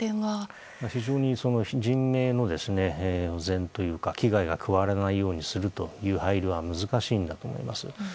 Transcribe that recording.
非常に人命の保全というか危害が加えられないようにする配慮は難しいんだと思います。